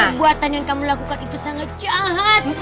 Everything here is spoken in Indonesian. perbuatan yang kamu lakukan itu sangat jahat